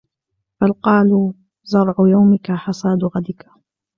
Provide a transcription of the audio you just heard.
بَلْ قَالُوا زَرْعُ يَوْمِك حَصَادُ غَدِك